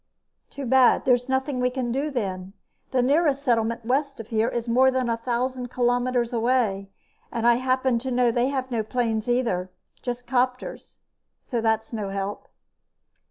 "Too bad. There's nothing we can do, then. The nearest settlement west of here is more than a thousand kilometers away, and I happen to know they have no planes, either. Just copters. So that's no help."